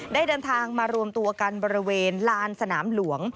เดินทางมารวมตัวกันบริเวณลานสนามหลวง